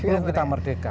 sebelum kita merdeka